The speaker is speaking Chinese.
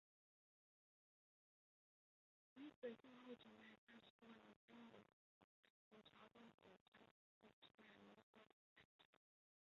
因此战后全台三十多营乡勇仅林朝栋与张李成两营未被裁撤。